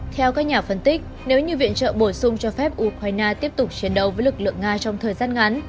theo các nhà phân tích nếu như viện trợ bổ sung cho phép ukraine tiếp tục chiến đấu với lực lượng nga trong thời gian ngắn